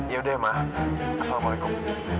yaudah ma assalamualaikum